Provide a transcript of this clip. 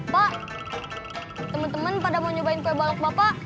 pak teman teman pada mau nyobain kue balok bapak